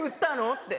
って。